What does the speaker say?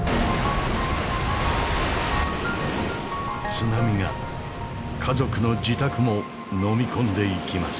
津波が家族の自宅ものみ込んでいきます。